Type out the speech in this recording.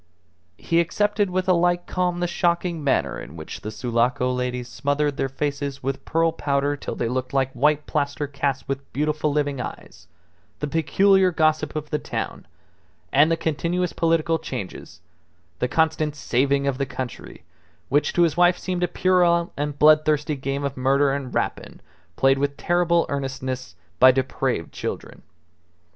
He accepted with a like calm the shocking manner in which the Sulaco ladies smothered their faces with pearl powder till they looked like white plaster casts with beautiful living eyes, the peculiar gossip of the town, and the continuous political changes, the constant "saving of the country," which to his wife seemed a puerile and bloodthirsty game of murder and rapine played with terrible earnestness by depraved children.